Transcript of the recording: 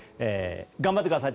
頑張ってください。